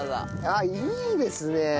あっいいですね！